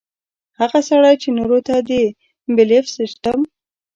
هغه سړے چې نورو ته د بيليف سسټم